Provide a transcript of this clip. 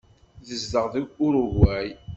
Tezdeɣ deg Urugway.